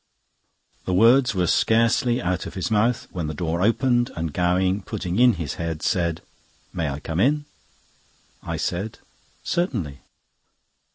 The words were scarcely out of his mouth when the door opened, and Gowing, putting in his head, said: "May I come in?" I said: "Certainly."